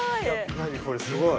何これすごい！